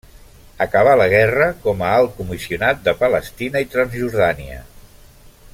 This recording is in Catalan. Acabà la guerra com a Alt Comissionat de Palestina i Transjordània.